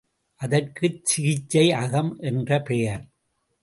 அதற்கு சிகிச்சை அகம் என்று பெயர்.